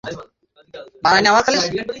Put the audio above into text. মূর্তিটি পরে তুর্কি কর্তৃপক্ষ ভেঙে ফেলে।